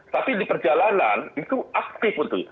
tapi di perjalanan itu aktif itu